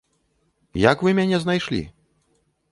Як вы мяне знайшлі?